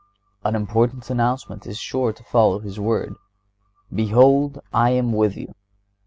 An important announcement is sure to follow this word. "Behold, I am with you."